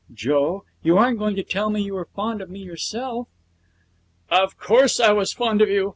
'Joe, you aren't going to tell me you were fond of me yourself!' 'Of course I was fond of you.